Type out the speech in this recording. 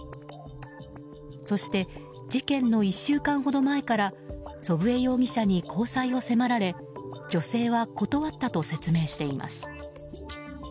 そして、事件の１週間ほど前から祖父江容疑者に交際を迫られ女性は断ったと説明しています。